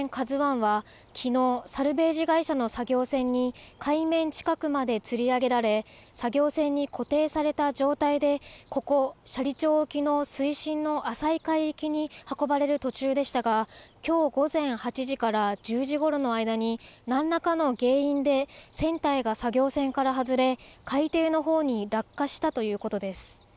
ＫＡＺＵＩはきのうサルベージ会社の作業船に海面近くまでつり上げられ作業船に固定された状態でここ斜里町沖の水深の浅い海域に運ばれる途中でしたがきょう午前８時から１０時ごろの間に何らかの原因で船体が作業船から外れ海底のほうに落下したということです。